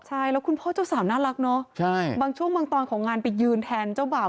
ใช่แล้วคุณพ่อเจ้าสาวน่ารักเนาะบางช่วงบางตอนของงานไปยืนแทนเจ้าบ่าว